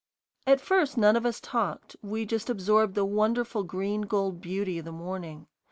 At first none of us talked; we just absorbed the wonderful green gold beauty of the morning.